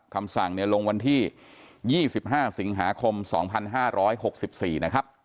คำสั่งลงวันที่๒๕สิงหาคม๒๕๖๔นะครับ